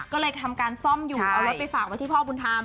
ก็เลยทำการซ่อมอยู่เอารถไปฝากไว้ที่พ่อบุญธรรม